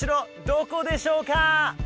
どこでしょうか？